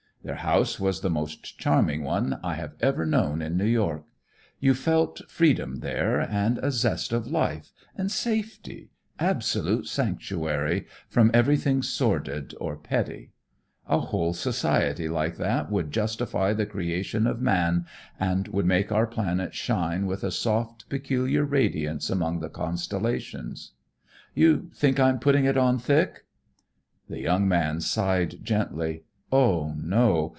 Their house was the most charming one I have ever known in New York. You felt freedom there, and a zest of life, and safety absolute sanctuary from everything sordid or petty. A whole society like that would justify the creation of man and would make our planet shine with a soft, peculiar radiance among the constellations. You think I'm putting it on thick?" The young man sighed gently. "Oh, no!